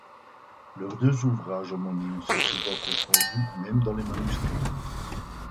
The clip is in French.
Leurs deux ouvrages homonymes sont souvent confondus, même dans les manuscrits.